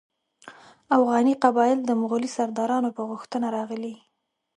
اوغاني قبایل د مغولي سردارانو په غوښتنه راغلي.